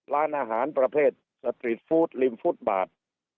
ร้านอาหารประเภทสตรีทฟู้ดริมฟุตบาท